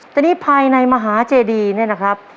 แต่นี่ภายในมหาเจดีเนี่ยนะครับ